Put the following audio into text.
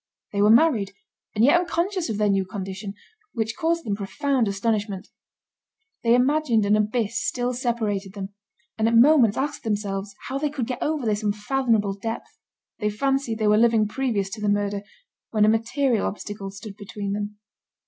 They were married, and yet unconscious of their new condition, which caused them profound astonishment. They imagined an abyss still separated them, and at moments asked themselves how they could get over this unfathomable depth. They fancied they were living previous to the murder, when a material obstacle stood between them.